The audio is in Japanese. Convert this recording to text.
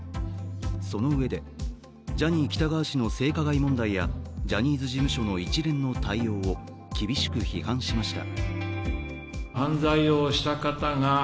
そのうえでジャニー喜多川氏の性加害問題やジャニーズ事務所の一連の対応を厳しく批判しました。